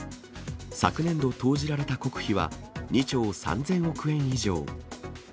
昨年度投じられた国費は２兆３０００億円以上。